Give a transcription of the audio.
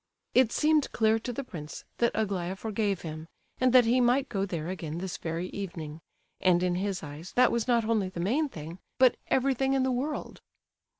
It seemed clear to the prince that Aglaya forgave him, and that he might go there again this very evening; and in his eyes that was not only the main thing, but everything in the world.